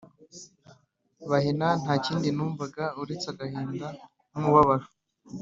baniha Nta kindi numvaga uretse agahinda n umubabaro